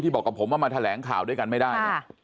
บอกกับผมว่ามาแถลงข่าวด้วยกันไม่ได้เนี่ย